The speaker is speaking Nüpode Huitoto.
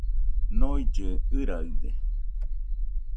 Noillɨɨ ɨraɨde